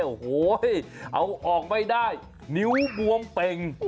โอ้โหเอาออกไม่ได้นิ้วบวมเป่ง